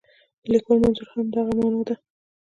د لیکوال منظور هم همدغه معنا ده.